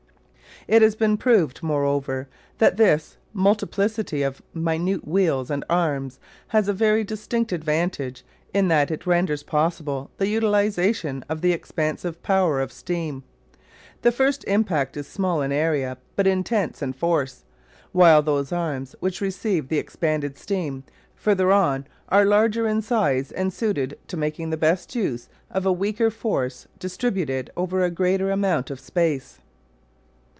It has been proved, moreover, that this multiplicity of minute wheels and arms has a very distinct advantage in that it renders possible the utilisation of the expansive power of steam. The first impact is small in area but intense in force, while those arms which receive the expanded steam further on are larger in size as suited to making the best use of a weaker force distributed over a greater amount of space.